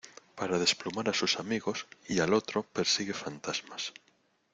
para desplumar a sus amigos y, al otro , persigue fantasmas